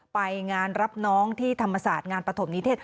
ไปงานรับน้องที่ธรรมศาสตร์งานปฐมนิเทศ